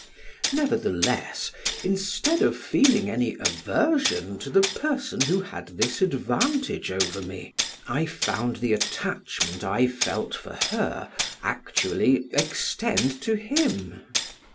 Nevertheless, instead of feeling any aversion to the person who had this advantage over me, I found the attachment I felt for her actually extend to him.